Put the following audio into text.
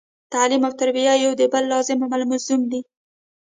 تعلیم او تربیه یو د بل لازم او ملزوم دي